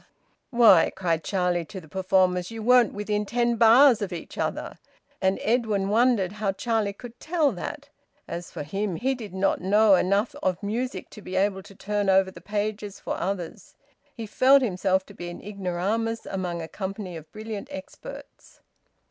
"Why," cried Charlie to the performers, "you weren't within ten bars of each other!" And Edwin wondered how Charlie could tell that. As for him, he did not know enough of music to be able to turn over the pages for others. He felt himself to be an ignoramus among a company of brilliant experts.